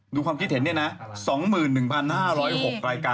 ดูความคิดเห็นเนี่ยนะสองหมื่นหนึ่งพันห้าร้อยหกรายการ